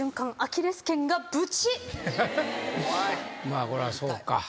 まあこれはそうか。